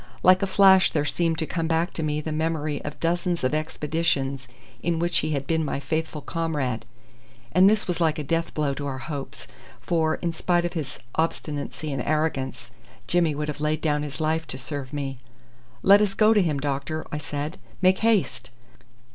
Like a flash there seemed to come back to me the memory of dozens of expeditions in which he had been my faithful comrade, and this was like a death blow to our hopes, for, in spite of his obstinacy and arrogance, Jimmy would have laid down his life to serve me. "Let us go to him, doctor," I said. "Make haste!"